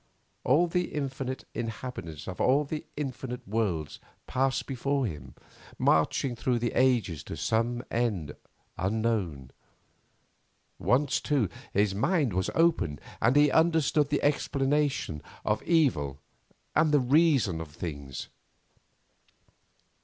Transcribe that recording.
All the infinite inhabitants of all the infinite worlds passed before him, marching through the ages to some end unknown. Once, too, his mind was opened, and he understood the explanation of Evil and the Reason of Things.